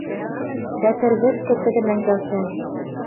Дӓ, тӹрвӹшкӹ тӹдӹм ӓнгӓлтӓл